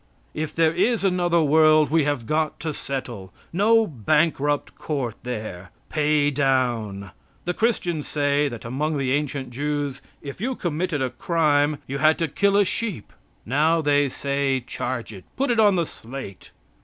If there is another world we have got to settle. No bankrupt court there. Pay down. The Christians say, that among the ancient Jews, if you committed a crime you had to kill a sheep, now they say, "Charge it." "Put it upon the slate."